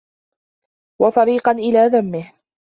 وَطَرِيقًا إلَى ذَمِّهِ